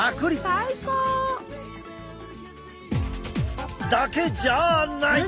最高！だけじゃない！